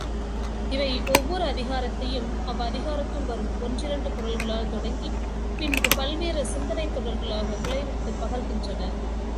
இவை ஒவ்வோரதிகாரத்தையும் அவ்வதிகாரத்துள் வரும் ஒன்றிரண்டு குறள்களால் தொடங்கிப் பின்பு பல்வேறு சிந்தனைத் தொடர்களாகக் கிளைவிட்டுப் படர்கின்றன.